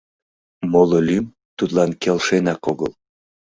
Моло лӱм тудлан келшенак огыл.